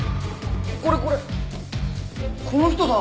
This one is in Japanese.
これこれこの人だ！